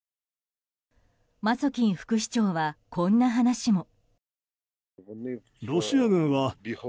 マツォキン副市長はこんな話も。